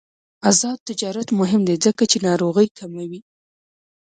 آزاد تجارت مهم دی ځکه چې ناروغۍ کموي.